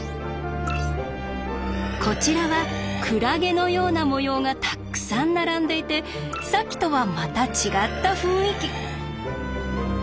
こちらはクラゲのような模様がたくさん並んでいてさっきとはまた違った雰囲気。